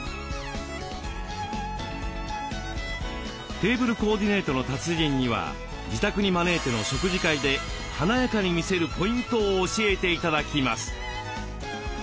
テーブルコーディネートの達人には自宅に招いての食事会で華やかに見せるポイントを教えて頂きます。